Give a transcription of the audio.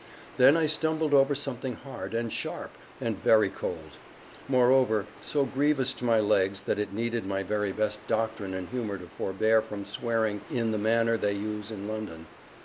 Then I stumbled over something hard, and sharp, and very cold; moreover, so grievous to my legs that it needed my very best doctrine and humor to forbear from swearing in the manner they use in London.